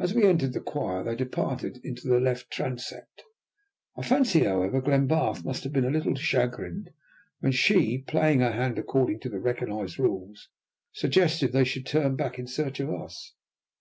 As we entered the choir, they departed into the left transept. I fancy, however, Glenbarth must have been a little chagrined when she, playing her hand according to the recognized rules, suggested that they should turn back in search of us.